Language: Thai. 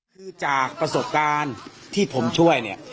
คือจากประสบการณ์ที่ผมช่วยเนี่ย